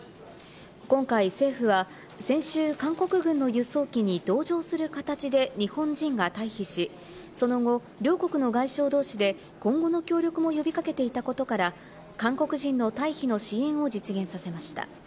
今回、政府は先週、韓国軍の輸送機に同乗する形で日本人が退避し、その後、両国の外相同士で、今後の協力も呼び掛けていたことから、韓国人の退避の支援を実現させました。